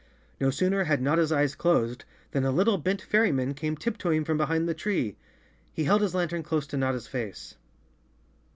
No sooner had Notta's eyes closed, than a little, bent fairyman came tip toeing from behind the tree. He held his lantern close to Notta's face.